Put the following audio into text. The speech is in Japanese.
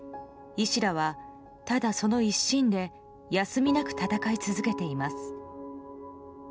医師らはただ、その一心で休みなく闘い続けています。